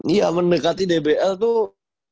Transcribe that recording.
iya mendekati dbl tuh